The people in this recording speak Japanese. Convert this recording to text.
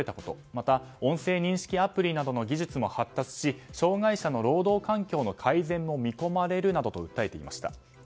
また、音声認識アプリなどの技術も発達し障害者の労働環境の改善も見込まれるなどと訴えていました。